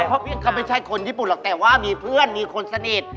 เพราะพี่เขาไม่ใช่คนญี่ปุ่นหรอกแต่ว่ามีเพื่อนมีคนสนิท